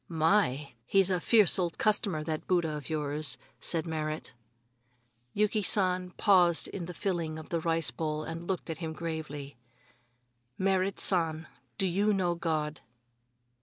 "My! he's a fierce old customer, that Buddha of yours," said Merrit. Yuki San paused in the filling of the rice bowl and looked at him gravely: "Merrit San, do you know God?"